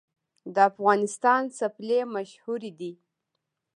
د افغانستان څپلۍ مشهورې دي